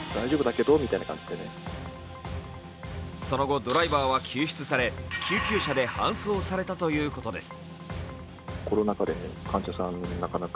その後、ドライバーは救出され救急車で搬送されたということです。